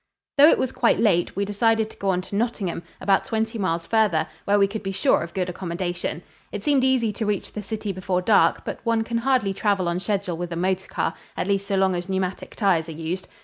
Though it was quite late, we decided to go on to Nottingham, about twenty miles farther, where we could be sure of good accommodation. It seemed easy to reach the city before dark, but one can hardly travel on schedule with a motor car at least so long as pneumatic tires are used.